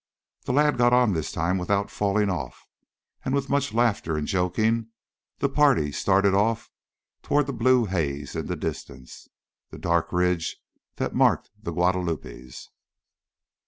The lad got on this time without falling off, and with much laughter and joking, the party started off toward the blue haze in the distance, the dark ridge that marked the Guadalupes.